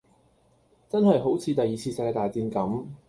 真係好似第二次世界大戰咁